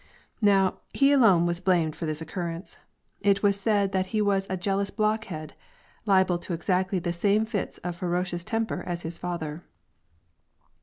Now, he alone was blamed for this occurrence ; it was said that he was a jealous blockhead, liable to exactly the same fits of ferocious temper as his father.